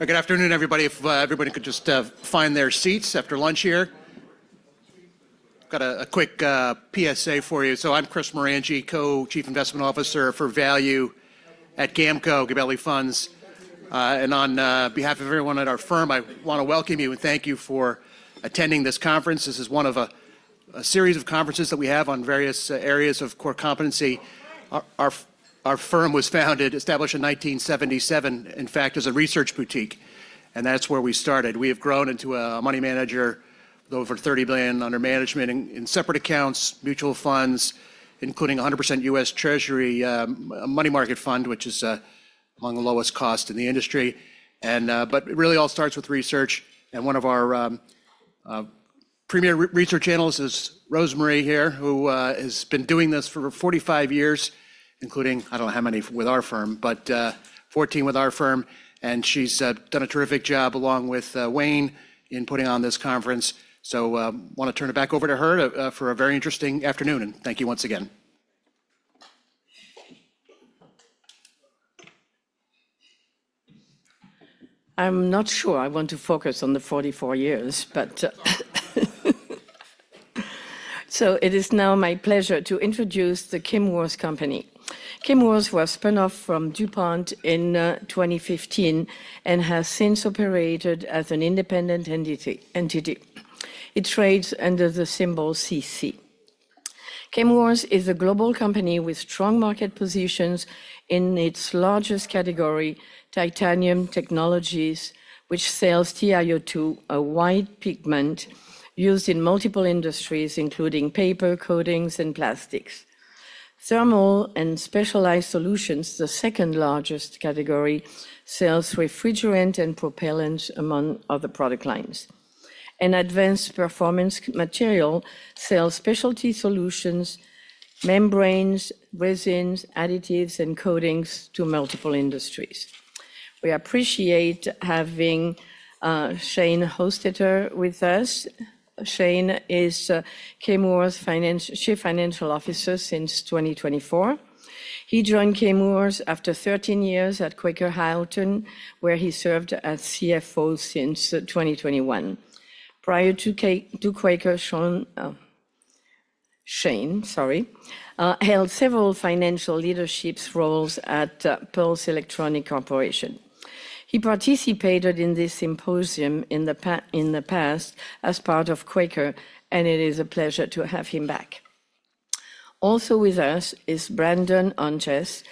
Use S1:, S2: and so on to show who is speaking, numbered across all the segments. S1: Good afternoon, everybody. If everybody could just find their seats after lunch here. I have got a quick PSA for you. I am Chris Marangie, Co-Chief Investment Officer for Value at GAMCO Investors. On behalf of everyone at our firm, I want to welcome you and thank you for attending this conference. This is one of a series of conferences that we have on various areas of core competency. Our firm was founded, established in 1977, in fact, as a research boutique. That is where we started. We have grown into a money manager with over $30 billion under management in separate accounts, mutual funds, including 100% U.S. Treasury money market fund, which is among the lowest cost in the industry. It really all starts with research. One of our premier research analysts is Rosemarie here, who has been doing this for 45 years, including I don't know how many with our firm, but 14 with our firm. She has done a terrific job along with Wayne in putting on this conference. I want to turn it back over to her for a very interesting afternoon. Thank you once again.
S2: I'm not sure I want to focus on the 44 years, but it is now my pleasure to introduce the Chemours Company. Chemours was spun off from DuPont in 2015 and has since operated as an independent entity. It trades under the symbol CC. Chemours is a global company with strong market positions in its largest category, Titanium Technologies, which sells TiO2, a white pigment used in multiple industries, including paper, coatings, and plastics. Thermal and Specialized Solutions, the second largest category, sells refrigerant and propellants among other product lines. Advanced Performance Materials sells specialty solutions, membranes, resins, additives, and coatings to multiple industries. We appreciate having Shane Hostetter with us. Shane is Chemours' Chief Financial Officer since 2024. He joined Chemours after 13 years at Quaker Houghton, where he served as CFO since 2021. Prior to Quaker, Shane, sorry, held several financial leadership roles at Pulse Electronics Corporation. He participated in this symposium in the past as part of Quaker, and it is a pleasure to have him back. Also with us is Brandon Ontjes,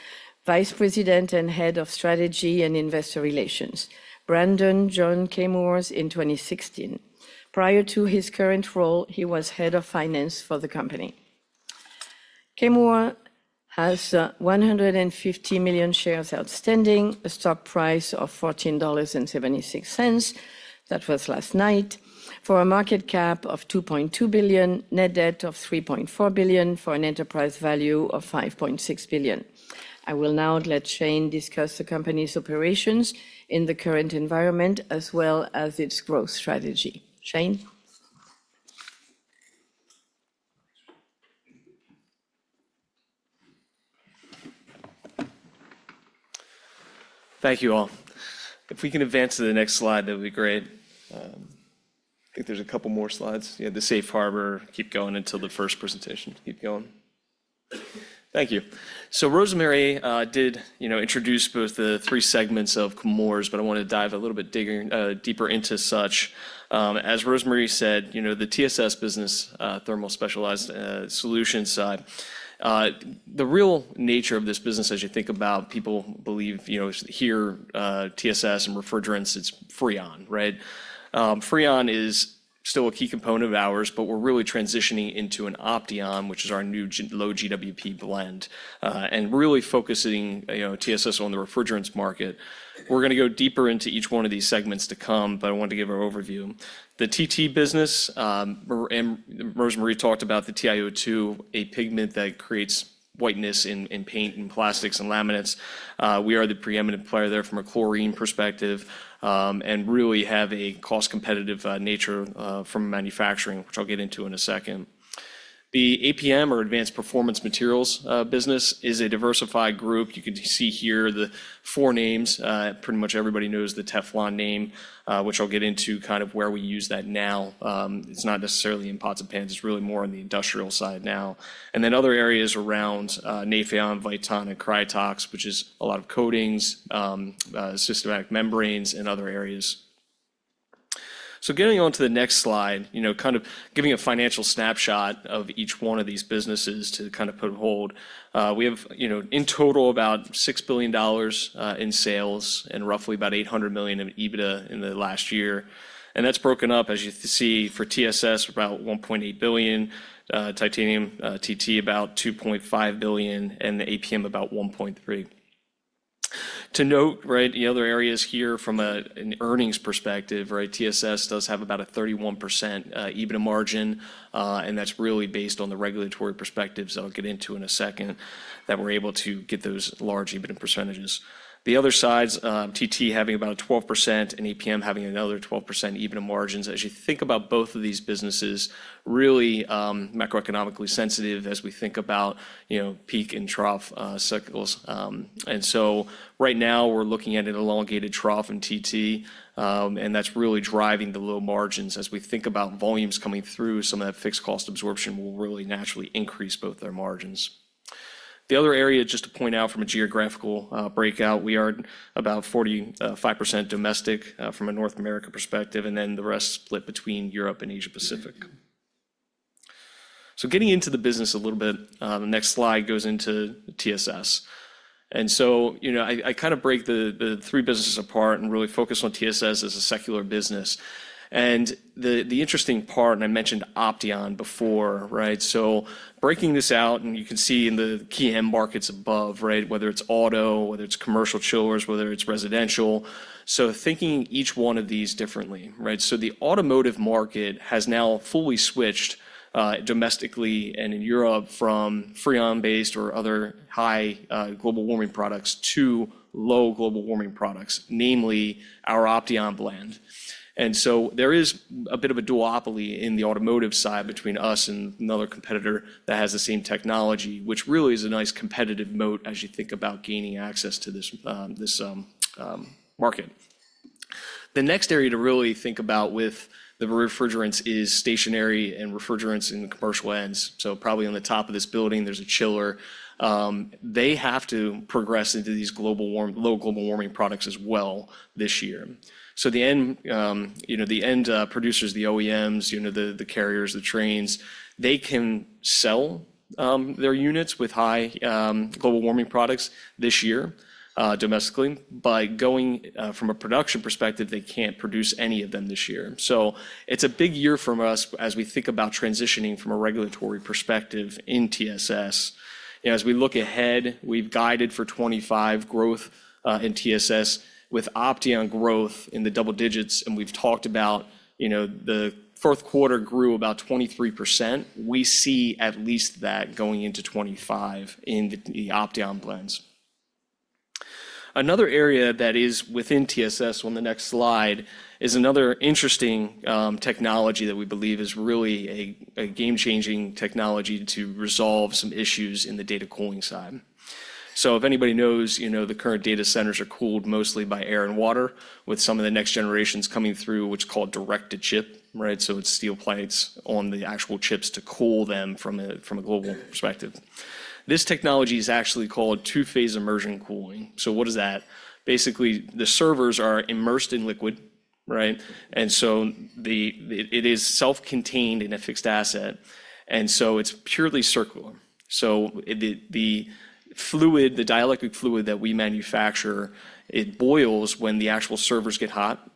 S2: Vice President and Head of Strategy and Investor Relations. Brandon joined Chemours in 2016. Prior to his current role, he was Head of Finance for the company. Chemours has 150 million shares outstanding, a stock price of $14.76. That was last night, for a market cap of $2.2 billion, net debt of $3.4 billion, for an enterprise value of $5.6 billion. I will now let Shane discuss the company's operations in the current environment, as well as its growth strategy. Shane.
S3: Thank you all. If we can advance to the next slide, that would be great. I think there's a couple more slides. Yeah, the safe harbor. Keep going until the first presentation. Keep going. Thank you. Rosemarie did introduce both the three segments of Chemours, but I wanted to dive a little bit deeper into such. As Rosemarie said, the TSS business, Thermal & Specialized Solutions side, the real nature of this business, as you think about, people believe here TSS and refrigerants, it's Freon, right? Freon is still a key component of ours, but we're really transitioning into an Opteon, which is our new low GWP blend and really focusing TSS on the refrigerants market. We're going to go deeper into each one of these segments to come, but I want to give an overview. The TT business, Rosemarie talked about the TiO2, a pigment that creates whiteness in paint and plastics and laminates. We are the preeminent player there from a chlorine perspective and really have a cost competitive nature from manufacturing, which I'll get into in a second. The APM, or Advanced Performance Materials business, is a diversified group. You can see here the four names. Pretty much everybody knows the Teflon name, which I'll get into kind of where we use that now. It's not necessarily in pots and pans. It's really more on the industrial side now. Other areas around Nafion, Viton, and Krytox, which is a lot of coatings, systematic membranes, and other areas. Getting on to the next slide, kind of giving a financial snapshot of each one of these businesses to kind of put a hold. We have, in total, about $6 billion in sales and roughly about $800 million in EBITDA in the last year. That is broken up, as you see, for TSS, about $1.8 billion, titanium TT about $2.5 billion, and the APM about $1.3 billion. To note, the other areas here from an earnings perspective, TSS does have about a 31% EBITDA margin, and that is really based on the regulatory perspectives I will get into in a second that we are able to get those large EBITDA percentages. The other sides, TT having about a 12% and APM having another 12% EBITDA margins. As you think about both of these businesses, really macroeconomically sensitive as we think about peak and trough cycles. Right now, we are looking at an elongated trough in TT, and that is really driving the low margins. As we think about volumes coming through, some of that fixed cost absorption will really naturally increase both their margins. The other area, just to point out from a geographical breakout, we are about 45% domestic from a North America perspective, and then the rest split between Europe and Asia Pacific. Getting into the business a little bit, the next slide goes into TSS. I kind of break the three businesses apart and really focus on TSS as a secular business. The interesting part, and I mentioned Opteon before, breaking this out, and you can see in the key end markets above, whether it is auto, whether it is commercial chillers, whether it is residential. Thinking each one of these differently. The automotive market has now fully switched domestically and in Europe from Freon-based or other high global warming products to low global warming products, namely our Opteon blend. There is a bit of a duopoly in the automotive side between us and another competitor that has the same technology, which really is a nice competitive moat as you think about gaining access to this market. The next area to really think about with the refrigerants is stationary and refrigerants in the commercial ends. Probably on the top of this building, there's a chiller. They have to progress into these low global warming products as well this year. The end producers, the OEMs, the carriers, the Tranes, they can sell their units with high global warming products this year domestically. Going from a production perspective, they can't produce any of them this year. It's a big year for us as we think about transitioning from a regulatory perspective in TSS. As we look ahead, we've guided for 2025 growth in TSS with Opteon growth in the double digits. We've talked about the fourth quarter grew about 23%. We see at least that going into 2025 in the Opteon blends. Another area that is within TSS on the next slide is another interesting technology that we believe is really a game-changing technology to resolve some issues in the data cooling side. If anybody knows, the current data centers are cooled mostly by air and water, with some of the next generations coming through, which is called direct-to-chip. It's steel plates on the actual chips to cool them from a global perspective. This technology is actually called two-phase immersion cooling. What is that? Basically, the servers are immersed in liquid. It is self-contained in a fixed asset. It is purely circular. The dielectric fluid that we manufacture boils when the actual servers get hot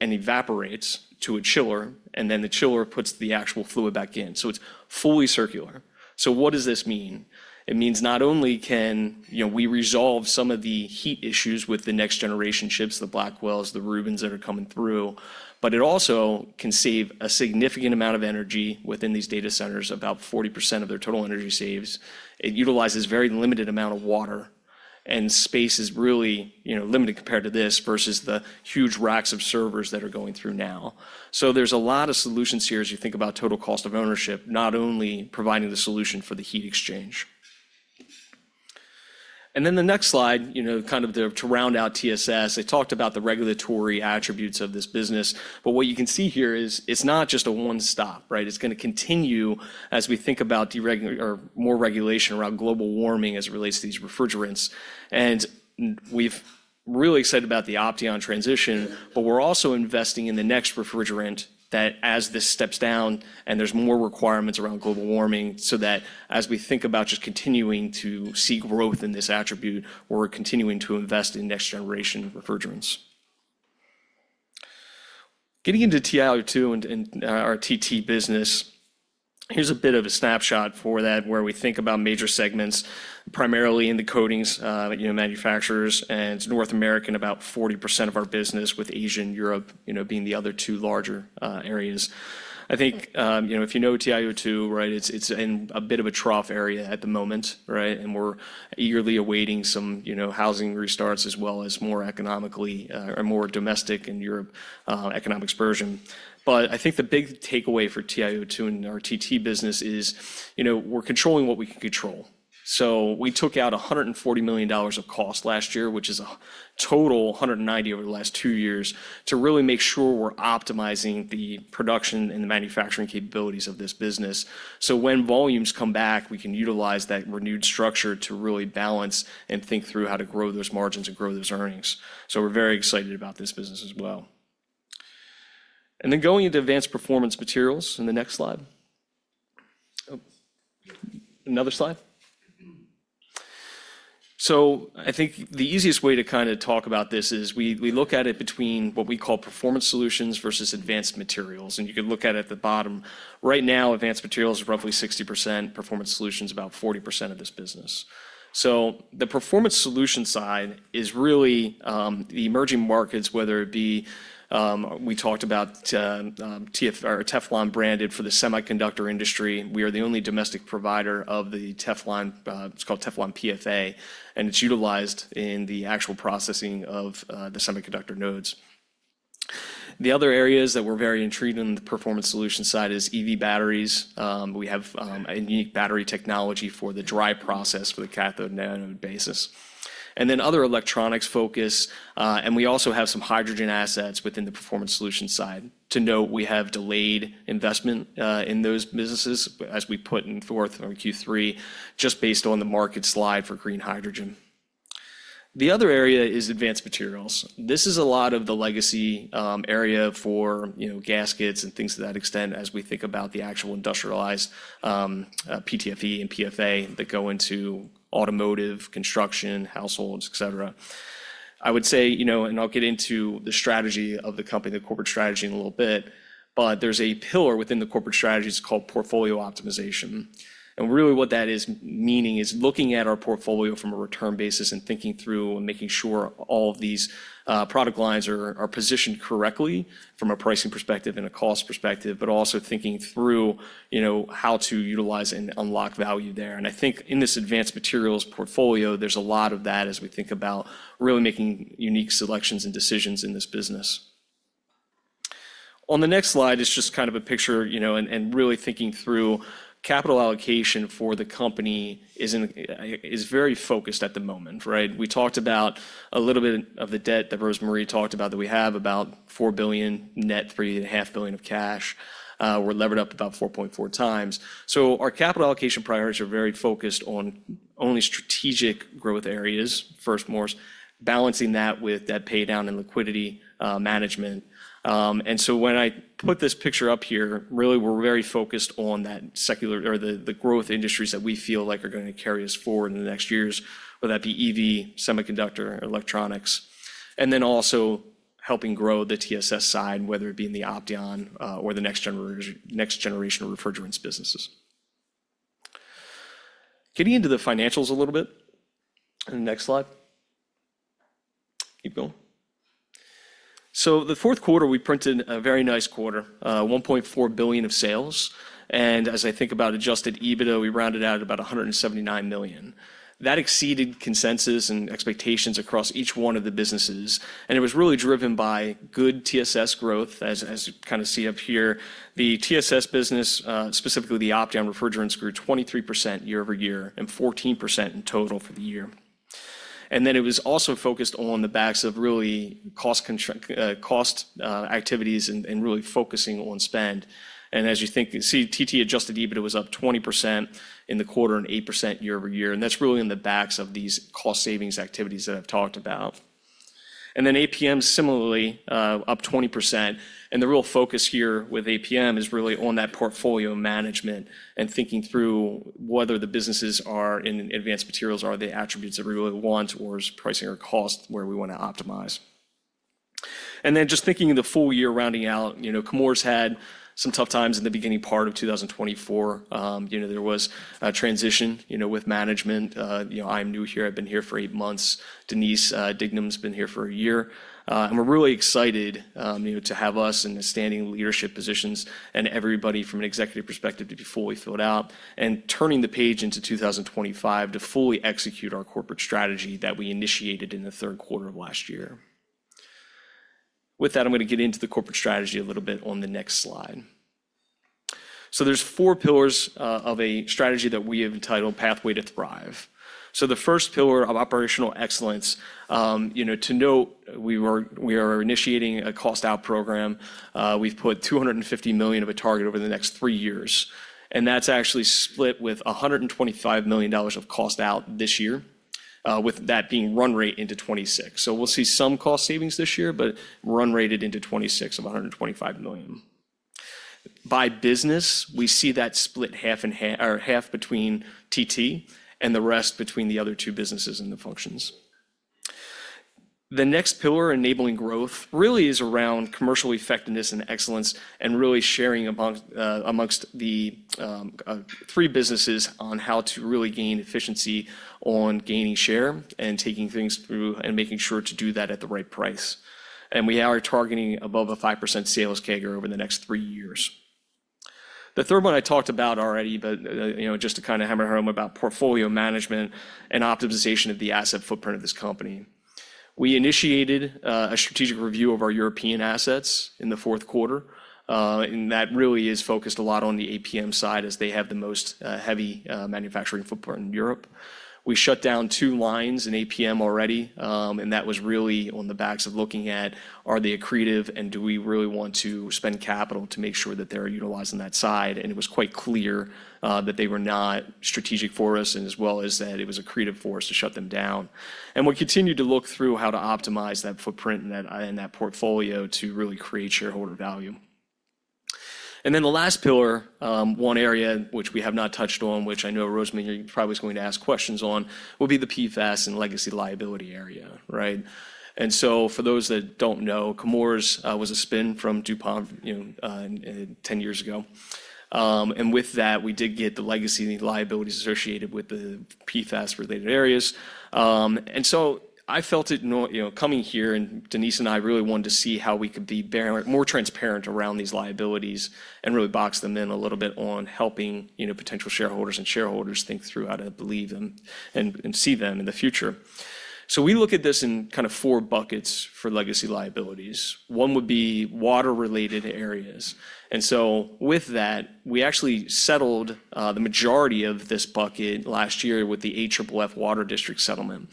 S3: and evaporates to a chiller, and then the chiller puts the actual fluid back in. It is fully circular. What does this mean? It means not only can we resolve some of the heat issues with the next generation chips, the Blackwells, the Rubins that are coming through, but it also can save a significant amount of energy within these data centers, about 40% of their total energy saves. It utilizes a very limited amount of water, and space is really limited compared to this versus the huge racks of servers that are going through now. There are a lot of solutions here as you think about total cost of ownership, not only providing the solution for the heat exchange. The next slide, kind of to round out TSS, I talked about the regulatory attributes of this business. What you can see here is it's not just a one-stop. It's going to continue as we think about more regulation around global warming as it relates to these refrigerants. We're really excited about the Opteon transition, but we're also investing in the next refrigerant that, as this steps down, and there's more requirements around global warming, so that as we think about just continuing to see growth in this attribute, we're continuing to invest in next generation refrigerants. Getting into TiO2 and our TT business, here's a bit of a snapshot for that where we think about major segments, primarily in the coatings manufacturers. It's North American, about 40% of our business, with Asia and Europe being the other two larger areas. I think if you know TiO2, it's in a bit of a trough area at the moment. We're eagerly awaiting some housing restarts as well as more domestic and Europe economic spursion. I think the big takeaway for TiO2 and our TT business is we're controlling what we can control. We took out $140 million of cost last year, which is a total $190 million over the last two years, to really make sure we're optimizing the production and the manufacturing capabilities of this business. When volumes come back, we can utilize that renewed structure to really balance and think through how to grow those margins and grow those earnings. We're very excited about this business as well. Going into advanced performance materials in the next slide. Another slide. I think the easiest way to kind of talk about this is we look at it between what we call performance solutions versus advanced materials. You can look at it at the bottom. Right now, advanced materials are roughly 60%, performance solutions about 40% of this business. The performance solution side is really the emerging markets, whether it be we talked about Teflon branded for the semiconductor industry. We are the only domestic provider of the Teflon. It's called Teflon PFA, and it's utilized in the actual processing of the semiconductor nodes. The other areas that we're very intrigued in the performance solution side is EV batteries. We have a unique battery technology for the dry process for the cathode node basis. Other electronics focus. We also have some hydrogen assets within the performance solution side. To note, we have delayed investment in those businesses as we put in forth Q3, just based on the market slide for green hydrogen. The other area is advanced materials. This is a lot of the legacy area for gaskets and things to that extent as we think about the actual industrialized PTFE and PFA that go into automotive, construction, households, et cetera. I would say, and I'll get into the strategy of the company, the corporate strategy in a little bit, but there's a pillar within the corporate strategies called portfolio optimization. Really what that is meaning is looking at our portfolio from a return basis and thinking through and making sure all of these product lines are positioned correctly from a pricing perspective and a cost perspective, but also thinking through how to utilize and unlock value there. I think in this advanced materials portfolio, there's a lot of that as we think about really making unique selections and decisions in this business. The next slide is just kind of a picture and really thinking through capital allocation for the company is very focused at the moment. We talked about a little bit of the debt that Rosemarie talked about that we have about $4 billion net, $3.5 billion of cash. We're levered up about 4.4 times. Our capital allocation priorities are very focused on only strategic growth areas, first-mores, balancing that with debt paydown and liquidity management. When I put this picture up here, really we're very focused on that secular or the growth industries that we feel like are going to carry us forward in the next years, whether that be EV, semiconductor, or electronics. Also helping grow the TSS side, whether it be in the Opteon or the next generation refrigerants businesses. Getting into the financials a little bit. Next slide. Keep going. The fourth quarter, we printed a very nice quarter, $1.4 billion of sales. As I think about adjusted EBITDA, we rounded out at about $179 million. That exceeded consensus and expectations across each one of the businesses. It was really driven by good TSS growth, as you kind of see up here. The TSS business, specifically the Opteon refrigerants, grew 23% year over year and 14% in total for the year. It was also focused on the backs of really cost activities and really focusing on spend. As you think, you see TT adjusted EBITDA was up 20% in the quarter and 8% year over year. That is really on the backs of these cost savings activities that I have talked about. APM similarly up 20%. The real focus here with APM is really on that portfolio management and thinking through whether the businesses in advanced materials are the attributes that we really want or is pricing or cost where we want to optimize. Just thinking of the full year rounding out, Chemours had some tough times in the beginning part of 2024. There was a transition with management. I am new here. I have been here for eight months. Denise Dignam has been here for a year. We are really excited to have us in the standing leadership positions and everybody from an executive perspective to be fully filled out and turning the page into 2025 to fully execute our corporate strategy that we initiated in the third quarter of last year. With that, I'm going to get into the corporate strategy a little bit on the next slide. There are four pillars of a strategy that we have entitled Pathway to Thrive. The first pillar of operational excellence, to note, we are initiating a cost-out program. We've put $250 million of a target over the next three years. That's actually split with $125 million of cost-out this year, with that being run rate into 2026. We'll see some cost savings this year, but run rated into 2026 of $125 million. By business, we see that split half between TT and the rest between the other two businesses and the functions. The next pillar enabling growth really is around commercial effectiveness and excellence and really sharing amongst the three businesses on how to really gain efficiency on gaining share and taking things through and making sure to do that at the right price. We are targeting above a 5% sales CAGR over the next three years. The third one I talked about already, just to kind of hammer home about portfolio management and optimization of the asset footprint of this company. We initiated a strategic review of our European assets in the fourth quarter. That really is focused a lot on the APM side as they have the most heavy manufacturing footprint in Europe. We shut down two lines in APM already. That was really on the backs of looking at, are they accretive and do we really want to spend capital to make sure that they're utilizing that side. It was quite clear that they were not strategic for us, as well as that it was accretive for us to shut them down. We continue to look through how to optimize that footprint and that portfolio to really create shareholder value. The last pillar, one area which we have not touched on, which I know Rosemarie probably was going to ask questions on, will be the PFAS and legacy liability area. For those that do not know, Chemours was a spin from DuPont 10 years ago. With that, we did get the legacy and liabilities associated with the PFAS-related areas. I felt it coming here, and Denise and I really wanted to see how we could be more transparent around these liabilities and really box them in a little bit on helping potential shareholders and shareholders think through how to believe them and see them in the future. We look at this in kind of four buckets for legacy liabilities. One would be water-related areas. With that, we actually settled the majority of this bucket last year with the AFFF water district settlement.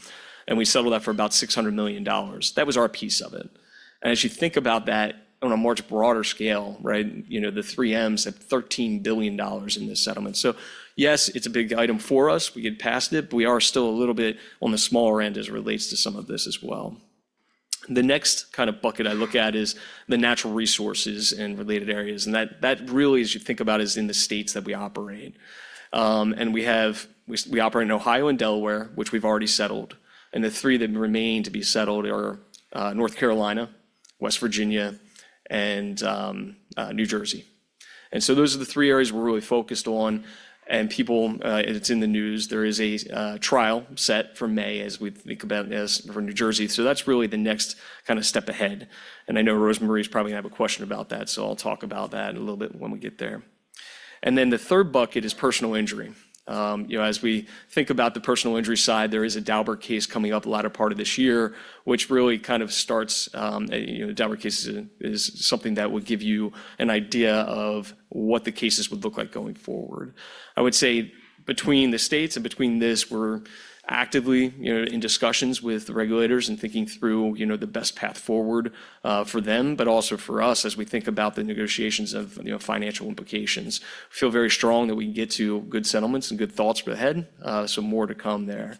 S3: We settled that for about $600 million. That was our piece of it. As you think about that on a much broader scale, the 3Ms have $13 billion in this settlement. Yes, it's a big item for us. We get past it, but we are still a little bit on the smaller end as it relates to some of this as well. The next kind of bucket I look at is the natural resources and related areas. That really, as you think about, is in the states that we operate. We operate in Ohio and Delaware, which we have already settled. The three that remain to be settled are North Carolina, West Virginia, and New Jersey. Those are the three areas we are really focused on. People, it is in the news, there is a trial set for May as we think about this for New Jersey. That is really the next kind of step ahead. I know Rosemarie is probably going to have a question about that. I will talk about that a little bit when we get there. The third bucket is personal injury. As we think about the personal injury side, there is a Daubert case coming up the latter part of this year, which really kind of starts. The Daubert case is something that would give you an idea of what the cases would look like going forward. I would say between the states and between this, we're actively in discussions with the regulators and thinking through the best path forward for them, but also for us as we think about the negotiations of financial implications. We feel very strong that we can get to good settlements and good thoughts for the head. More to come there.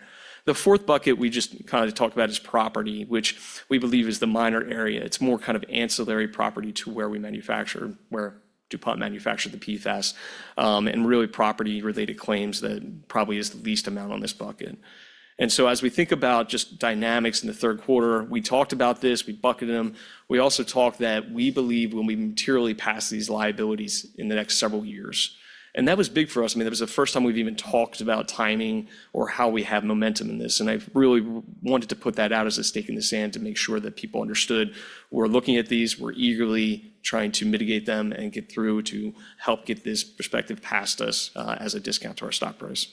S3: The fourth bucket we just kind of talked about is property, which we believe is the minor area. It's more kind of ancillary property to where we manufacture, where DuPont manufactured the PFAS and really property-related claims that probably is the least amount on this bucket. As we think about just dynamics in the third quarter, we talked about this, we bucketed them. We also talked that we believe when we materially pass these liabilities in the next several years. That was big for us. I mean, that was the first time we've even talked about timing or how we have momentum in this. I really wanted to put that out as a stake in the sand to make sure that people understood we're looking at these, we're eagerly trying to mitigate them and get through to help get this perspective past us as a discount to our stock price.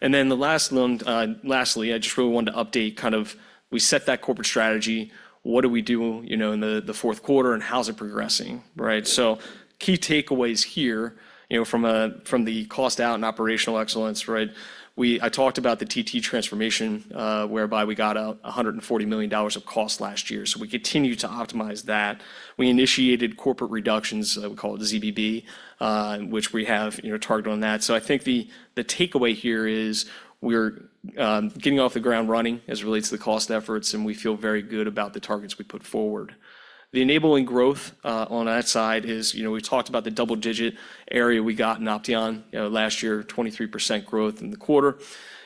S3: Lastly, I just really wanted to update kind of we set that corporate strategy, what do we do in the fourth quarter and how's it progressing? Key takeaways here from the cost-out and operational excellence, I talked about the TT transformation whereby we got $140 million of cost last year. We continue to optimize that. We initiated corporate reductions, we call it ZBB, which we have targeted on that. I think the takeaway here is we're getting off the ground running as it relates to the cost efforts, and we feel very good about the targets we put forward. The enabling growth on that side is we've talked about the double-digit area we got in Opteon last year, 23% growth in the quarter.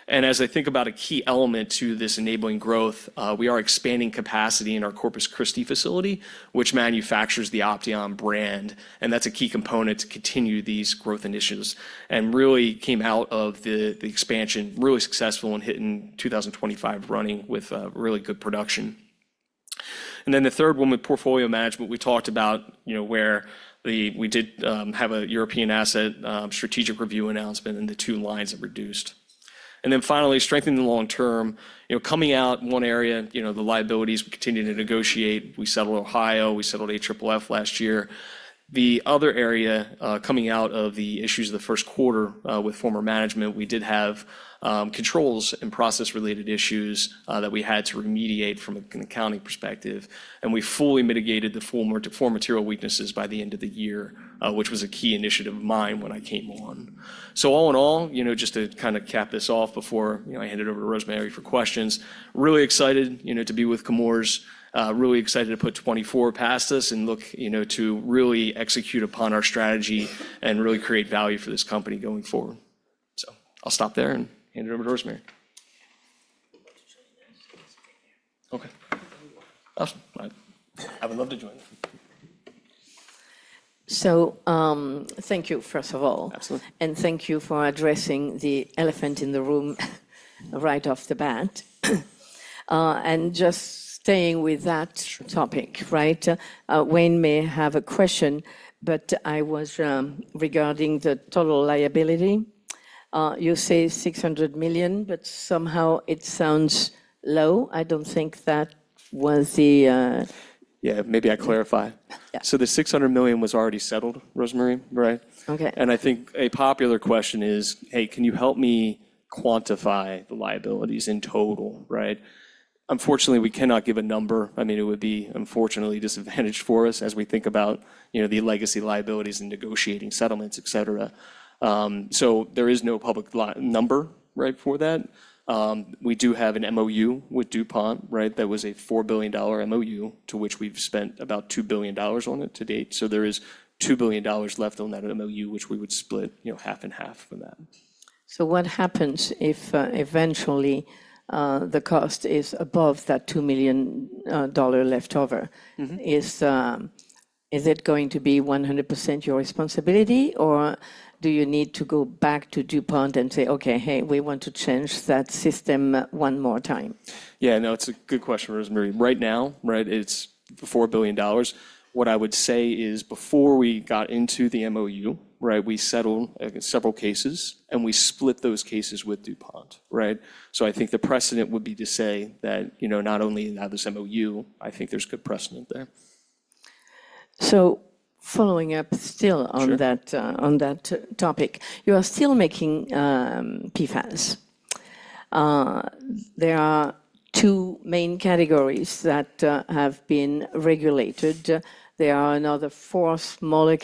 S3: As I think about a key element to this enabling growth, we are expanding capacity in our Corpus Christi facility, which manufactures the Opteon brand. That is a key component to continue these growth initiatives and really came out of the expansion really successful and hitting 2025 running with really good production. The third one with portfolio management, we talked about where we did have a European asset strategic review announcement and the two lines that reduced. Finally, strengthening the long term, coming out one area, the liabilities, we continue to negotiate. We settled Ohio, we settled AFFF last year. The other area coming out of the issues of the first quarter with former management, we did have controls and process-related issues that we had to remediate from an accounting perspective. We fully mitigated the four material weaknesses by the end of the year, which was a key initiative of mine when I came on. All in all, just to kind of cap this off before I hand it over to Rosemarie for questions, really excited to be with Chemours, really excited to put '24 past us and look to really execute upon our strategy and really create value for this company going forward. I will stop there and hand it over to Rosemarie. Okay. Awesome. I would love to join them.
S2: Thank you, first of all. Thank you for addressing the elephant in the room right off the bat. Just staying with that topic, Wayne may have a question, but I was regarding the total liability. You say $600 million, but somehow it sounds low. I do not think that was the.
S3: Yeah, maybe I clarify. The $600 million was already settled, Rosemarie, right? I think a popular question is, hey, can you help me quantify the liabilities in total? Unfortunately, we cannot give a number. I mean, it would be unfortunately disadvantaged for us as we think about the legacy liabilities and negotiating settlements, etc. There is no public number for that. We do have an MOU with DuPont that was a $4 billion MOU to which we've spent about $2 billion on it to date. There is $2 billion left on that MOU, which we would split half and half for that.
S2: What happens if eventually the cost is above that $2 million leftover? Is it going to be 100% your responsibility, or do you need to go back to DuPont and say, okay, hey, we want to change that system one more time?
S3: Yeah, no, it's a good question, Rosemarie. Right now, it's $4 billion. What I would say is before we got into the MOU, we settled several cases, and we split those cases with DuPont. I think the precedent would be to say that not only now this MOU, I think there's good precedent there.
S2: Following up still on that topic, you are still making PFAS. There are two main categories that have been regulated. There are another four small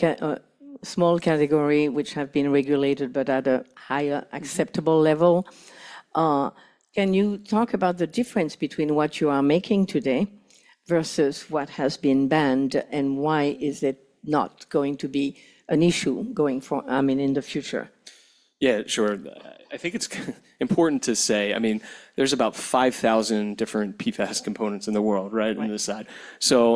S2: categories which have been regulated, but at a higher acceptable level. Can you talk about the difference between what you are making today versus what has been banned and why is it not going to be an issue going forward, I mean, in the future?
S3: Yeah, sure. I think it's important to say, I mean, there's about 5,000 different PFAS components in the world on this side.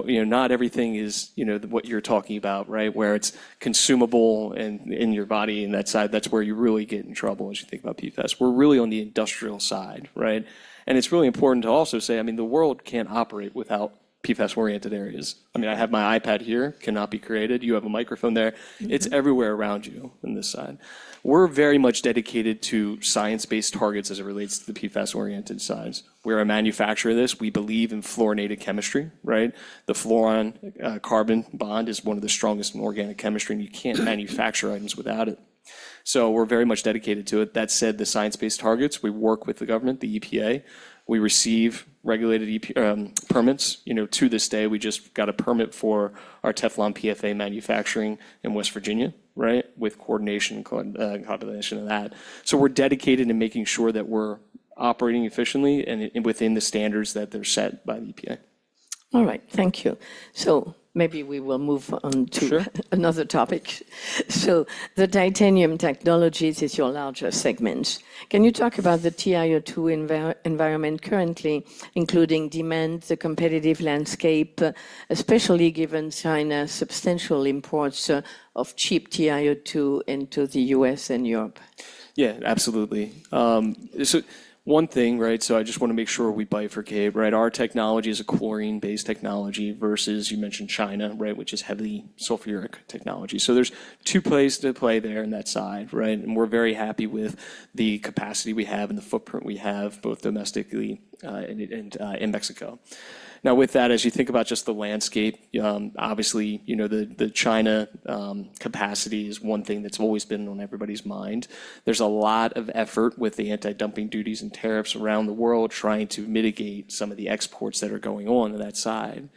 S3: Not everything is what you're talking about, where it's consumable in your body and that side, that's where you really get in trouble as you think about PFAS. We're really on the industrial side. It's really important to also say, I mean, the world can't operate without PFAS-oriented areas. I mean, I have my iPad here, cannot be created. You have a microphone there. It's everywhere around you on this side. We're very much dedicated to science-based targets as it relates to the PFAS-oriented sides. We're a manufacturer of this. We believe in fluorinated chemistry. The fluorine-carbon bond is one of the strongest in organic chemistry, and you can't manufacture items without it. We're very much dedicated to it. That said, the science-based targets, we work with the government, the EPA. We receive regulated permits. To this day, we just got a permit for our Teflon PFA manufacturing in West Virginia with coordination and compilation of that. We are dedicated to making sure that we are operating efficiently and within the standards that are set by the EPA.
S4: All right, thank you. Maybe we will move on to another topic. The Titanium Technologies is your larger segment. Can you talk about the TiO2 environment currently, including demand, the competitive landscape, especially given China's substantial imports of cheap TiO2 into the U.S. and Europe?
S3: Yeah, absolutely. One thing, I just want to make sure we bifurcate. Our technology is a chlorine-based technology versus you mentioned China, which is heavily sulfuric technology. There are two plays to play there on that side. We are very happy with the capacity we have and the footprint we have, both domestically and in Mexico. Now, with that, as you think about just the landscape, obviously, the China capacity is one thing that's always been on everybody's mind. There is a lot of effort with the anti-dumping duties and tariffs around the world trying to mitigate some of the exports that are going on on that side.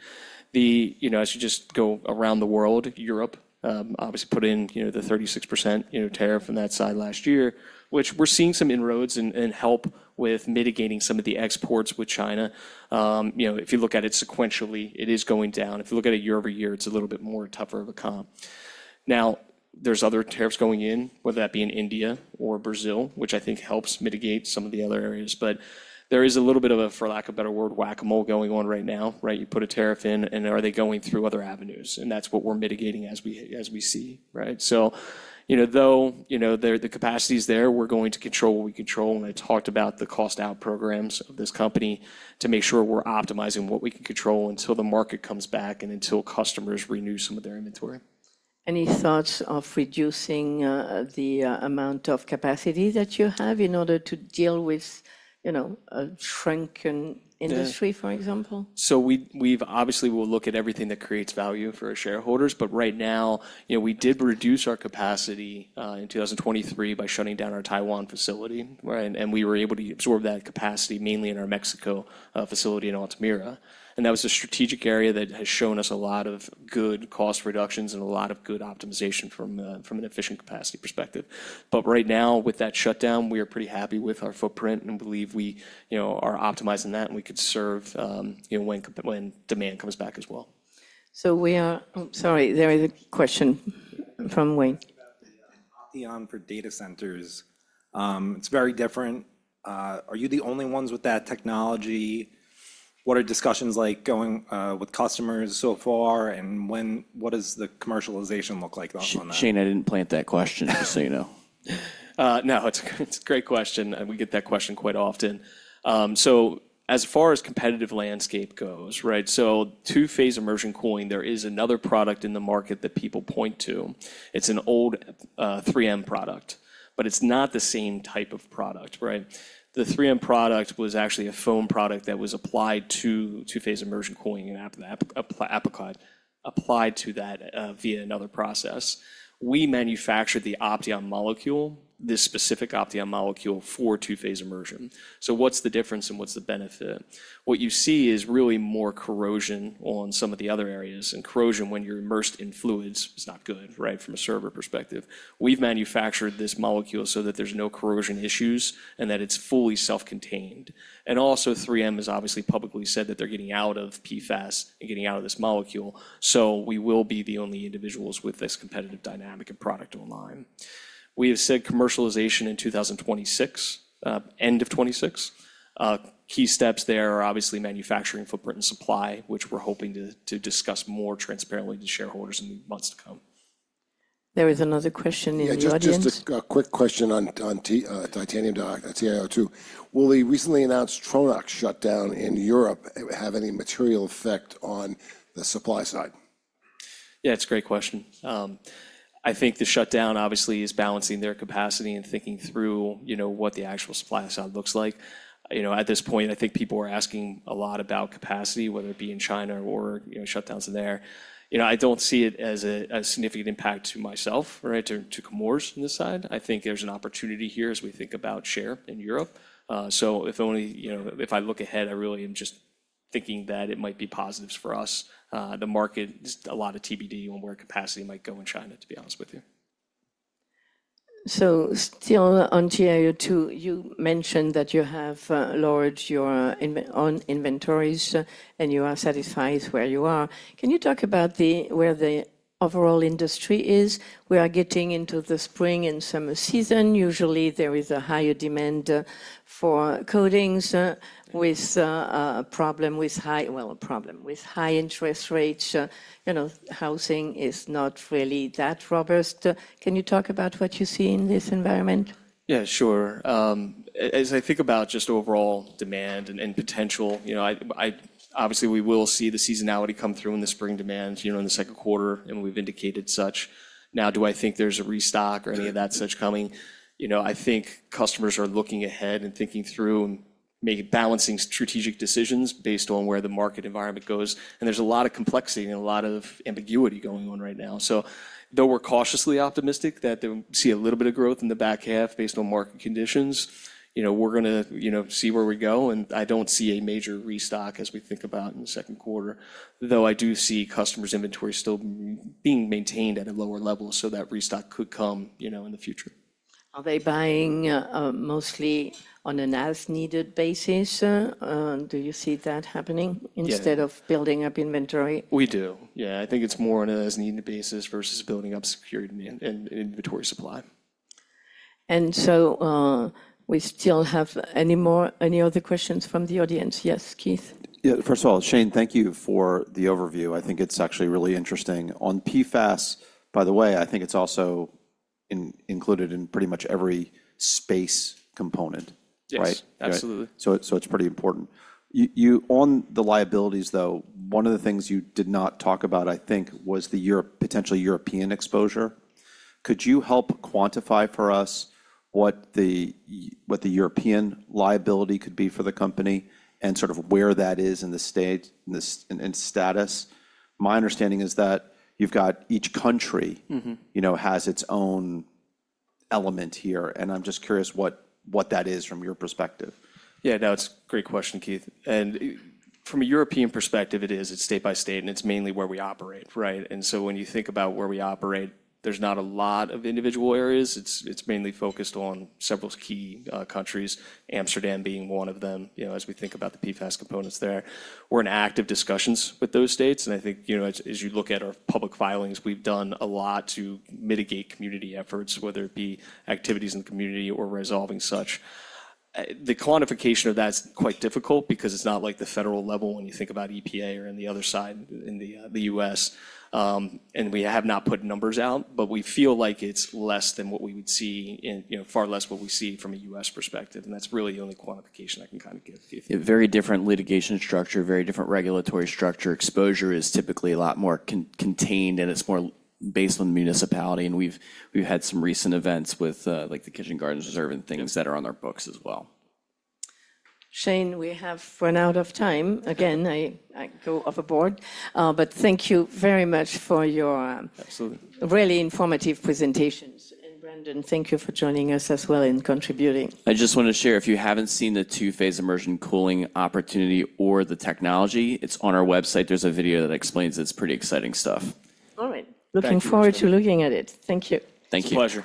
S3: As you just go around the world, Europe obviously put in the 36% tariff on that side last year, which we are seeing some inroads and help with mitigating some of the exports with China. If you look at it sequentially, it is going down. If you look at it year over year, it's a little bit more tougher of a comp. Now, there are other tariffs going in, whether that be in India or Brazil, which I think helps mitigate some of the other areas. There is a little bit of a, for lack of a better word, whack-a-mole going on right now. You put a tariff in, and are they going through other avenues? That is what we're mitigating as we see. Though the capacity is there, we're going to control what we control. I talked about the cost-out programs of this company to make sure we're optimizing what we can control until the market comes back and until customers renew some of their inventory.
S4: Any thoughts of reducing the amount of capacity that you have in order to deal with a shrunken industry, for example?
S3: Obviously, we'll look at everything that creates value for our shareholders. Right now, we did reduce our capacity in 2023 by shutting down our Taiwan facility. We were able to absorb that capacity mainly in our Mexico facility in Altamira. That was a strategic area that has shown us a lot of good cost reductions and a lot of good optimization from an efficient capacity perspective. Right now, with that shutdown, we are pretty happy with our footprint and believe we are optimizing that and we could serve when demand comes back as well.
S4: We are, sorry, there is a question from Wayne. Option for data centers, it's very different. Are you the only ones with that technology? What are discussions like going with customers so far? What does the commercialization look like on that?
S1: Shane, I didn't plant that question, just so you know.
S3: No, it's a great question. We get that question quite often. As far as competitive landscape goes, two-phase immersion cooling, there is another product in the market that people point to. It's an old 3M product, but it's not the same type of product. The 3M product was actually a foam product that was applied to two-phase immersion cooling and [apply cut] applied to that via another process. We manufactured the Opteon molecule, this specific Opteon molecule for two-phase immersion. What's the difference and what's the benefit? What you see is really more corrosion on some of the other areas. Corrosion when you're immersed in fluids is not good from a server perspective. We've manufactured this molecule so that there's no corrosion issues and that it's fully self-contained. 3M has obviously publicly said that they're getting out of PFAS and getting out of this molecule. We will be the only individuals with this competitive dynamic and product online. We have said commercialization in 2026, end of 2026. Key steps there are obviously manufacturing footprint and supply, which we're hoping to discuss more transparently to shareholders in the months to come.
S4: There is another question in the audience.
S5: Just a quick question on titanium too. Will the recently announced Tronox shutdown in Europe have any material effect on the supply side?
S3: Yeah, it's a great question. I think the shutdown obviously is balancing their capacity and thinking through what the actual supply side looks like. At this point, I think people are asking a lot about capacity, whether it be in China or shutdowns in there. I don't see it as a significant impact to myself, to Chemours on this side. I think there's an opportunity here as we think about share in Europe. If only if I look ahead, I really am just thinking that it might be positives for us. The market, a lot of TBD on where capacity might go in China, to be honest with you.
S4: Still on TiO2, you mentioned that you have lowered your own inventories and you are satisfied where you are. Can you talk about where the overall industry is? We are getting into the spring and summer season. Usually, there is a higher demand for coatings with a problem with high, well, a problem with high interest rates. Housing is not really that robust. Can you talk about what you see in this environment?
S3: Yeah, sure. As I think about just overall demand and potential, obviously, we will see the seasonality come through in the spring demand in the second quarter, and we've indicated such. Now, do I think there's a restock or any of that such coming? I think customers are looking ahead and thinking through and maybe balancing strategic decisions based on where the market environment goes. There's a lot of complexity and a lot of ambiguity going on right now. Though we're cautiously optimistic that we see a little bit of growth in the back half based on market conditions, we're going to see where we go. I don't see a major restock as we think about in the second quarter, though I do see customers' inventory still being maintained at a lower level. That restock could come in the future.
S4: Are they buying mostly on an as-needed basis? Do you see that happening instead of building up inventory?
S3: We do. Yeah, I think it's more on an as-needed basis versus building up security and inventory supply.
S4: Do we still have any other questions from the audience? Yes, Keith? Yeah, first of all, Shane, thank you for the overview. I think it's actually really interesting. On PFAS, by the way, I think it's also included in pretty much every space component.
S3: Yes, absolutely.
S4: It is pretty important. On the liabilities, though, one of the things you did not talk about, I think, was the potential European exposure. Could you help quantify for us what the European liability could be for the company and sort of where that is in the state and status? My understanding is that each country has its own element here. I am just curious what that is from your perspective.
S3: Yeah, no, it's a great question, Keith. From a European perspective, it is. It's state by state, and it's mainly where we operate. When you think about where we operate, there's not a lot of individual areas. It's mainly focused on several key countries, Amsterdam being one of them as we think about the PFAS components there. We're in active discussions with those states. I think as you look at our public filings, we've done a lot to mitigate community efforts, whether it be activities in the community or resolving such. The quantification of that is quite difficult because it's not like the federal level when you think about EPA or on the other side in the U.S. We have not put numbers out, but we feel like it's less than what we would see, far less what we see from a U.S. perspective. That's really the only quantification I can kind of give.
S6: Very different litigation structure, very different regulatory structure. Exposure is typically a lot more contained, and it's more based on municipality. We have had some recent events with the Kitchen Gardens Reserve and things that are on our books as well.
S4: Shane, we have run out of time. Again, I go off a board. Thank you very much for your really informative presentations. Brandon, thank you for joining us as well in contributing.
S6: I just want to share, if you haven't seen the two-phase immersion cooling opportunity or the technology, it's on our website. There's a video that explains it; it's pretty exciting stuff.
S4: All right. Looking forward to looking at it. Thank you.
S6: Thank you.
S3: Pleasure.